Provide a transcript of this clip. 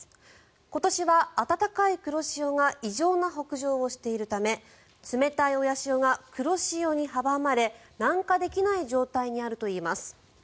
今年は温かい黒潮が異常な北上をしているため冷たい親潮が黒潮に阻まれ南下できない状態にあるといいます。